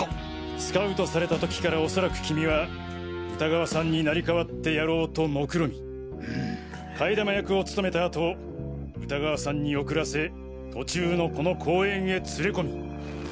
スカウトされた時から恐らく君は歌川さんになり替わってやろうと目論み替え玉役を務めた後歌川さんに送らせ途中のこの公園へ連れ込み。